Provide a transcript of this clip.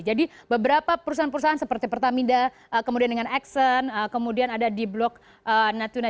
jadi beberapa perusahaan perusahaan seperti pertamida kemudian dengan exxon kemudian ada di blok natuna